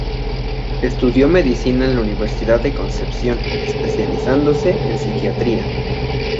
Estudió medicina en la Universidad de Concepción, especializándose en psiquiatría.